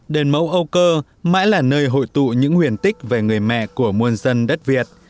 đền mẫu âu cơ mãi là nơi hội tụ những huyền tích về người mẹ của muôn dân đất việt